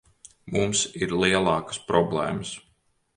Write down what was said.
Mums ir lielākas problēmas.